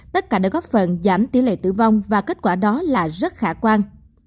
tất cả đã góp phần giảm tỷ lệ tử vong và kết quả đó là rất khả quan